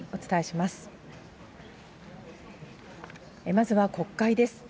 まずは国会です。